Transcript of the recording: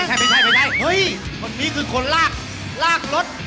ใช่นี่คือคนลากรถ